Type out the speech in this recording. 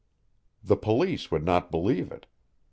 The Police would not believe it.